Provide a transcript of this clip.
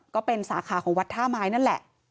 ก็เป็นสาขาของวัดท่าไม้นั่นแหละ